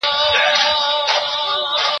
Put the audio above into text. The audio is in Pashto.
تا چي ول باران به بالا ودري